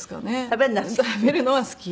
食べるのは好き。